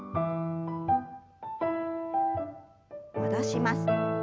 戻します。